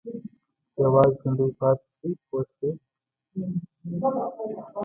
چې یوازې ژوندي پاتې شي پوه شوې!.